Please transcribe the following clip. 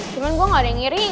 cuman gue gak ada yang ngiri